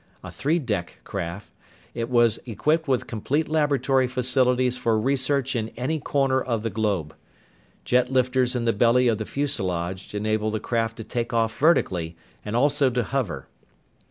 A three deck craft, it was equipped with complete laboratory facilities for research in any corner of the globe. Jet lifters in the belly of the fuselage enabled the craft to take off vertically and also to hover.